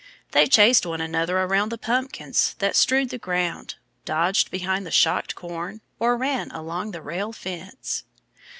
They chased one another around the pumpkins that strewed the ground, dodged behind the shocked corn, or ran along the rail fence.